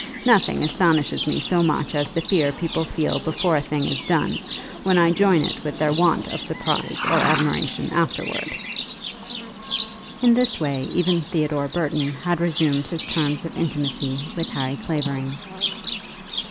Nothing astonishes me so much as the fear people feel before a thing is done when I join it with their want of surprise or admiration afterwards." In this way even Theodore Burton had resumed his terms of intimacy with Harry Clavering.